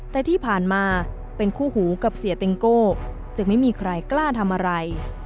แต่ที่ผ่านมาเป็นคู่หูกับเสียเต็งโก้จึงไม่มีใครกล้าทำอะไร